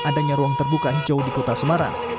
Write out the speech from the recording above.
adanya ruang terbuka hijau di kota semarang